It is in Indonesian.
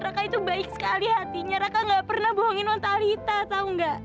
raka itu baik sekali hatinya raka nggak pernah bohongin nontalita tau nggak